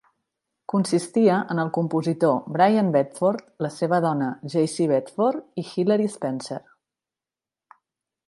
Consistia en el compositor Brian Bedford, la seva dona Jacey Bedford, i Hilary Spencer.